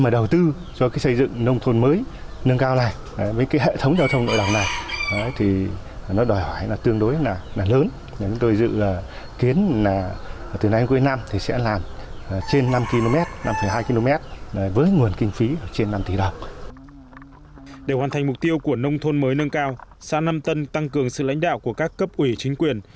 để hoàn thành mục tiêu của nông thôn mới nâng cao xã nam tân tăng cường sự lãnh đạo của các cấp ủy chính quyền